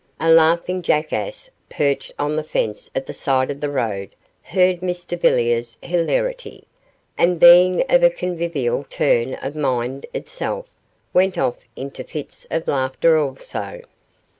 A laughing jackass perched on the fence at the side of the road heard Mr Villiers' hilarity, and, being of a convivial turn of mind itself, went off into fits of laughter also.